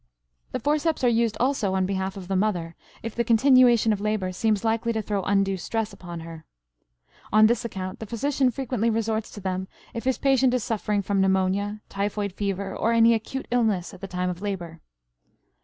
The forceps are used also on behalf of the mother, if the continuation of labor seems likely to throw undue stress upon her. On this account the physician frequently resorts to them if his patient is suffering from pneumonia, typhoid fever, or any acute illness at the time of labor.